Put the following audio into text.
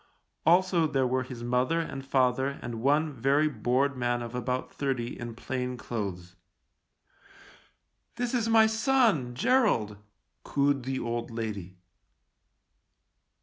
Also there were his mother and father and one very bored man of about thirty in plain clothes. " This is my son, Gerald," cooed the old lady.